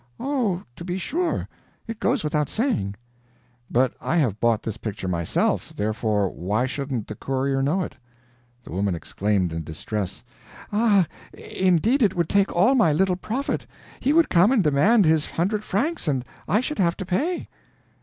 "Oh, to be sure! It goes without saying." "But I have bought this picture myself; therefore why shouldn't the courier know it?" The woman exclaimed, in distress: "Ah, indeed it would take all my little profit! He would come and demand his hundred francs, and I should have to pay."